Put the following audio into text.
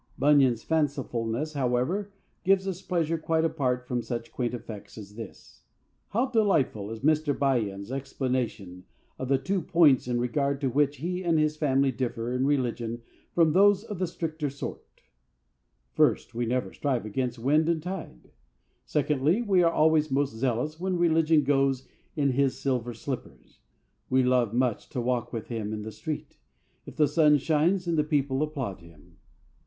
Bunyan's fancifulness, however, gives us pleasure quite apart from such quaint effects as this. How delightful is Mr. By ends's explanation of the two points in regard to which he and his family differ in religion from those of the stricter sort: "First, we never strive against wind and tide. Secondly, we are always most zealous when Religion goes in his silver slippers; we love much to walk with him in the street, if the sun shines, and the people applaud him."